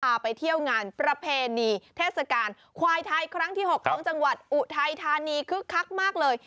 ไปเที่ยวงานประเพณีเทศกาลควายไทยครั้งที่๖ของจังหวัดอุทัยธานีคึกคักมากเลย